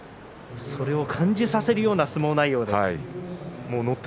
それを感じさせるような相撲内容です。